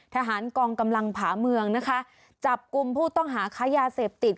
ทหารกองกำลังผาเมืองนะคะจับกลุ่มผู้ต้องหาค้ายาเสพติด